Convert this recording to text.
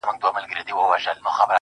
زما چيلمه چي زما پر کور راسي لنگر ووهي,